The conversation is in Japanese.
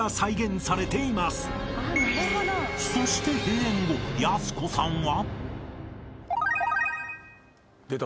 ［そして閉園後やす子さんは］